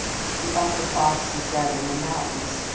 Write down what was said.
The upper Fox is rather monotonous.